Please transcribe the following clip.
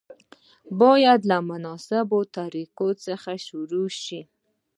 باید له مناسبو طریقو څخه شروع شي.